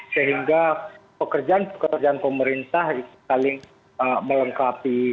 sehingga pekerjaan pekerjaan pemerintah itu saling melengkapi